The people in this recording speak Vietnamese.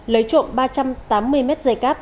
lấy trộm ba trăm tám mươi mét dây cáp